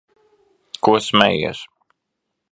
Ko smejies?